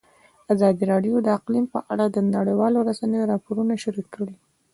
ازادي راډیو د اقلیم په اړه د نړیوالو رسنیو راپورونه شریک کړي.